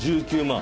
１９万！？